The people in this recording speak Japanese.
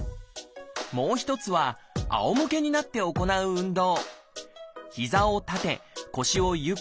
もう一つはあおむけになって行う運動。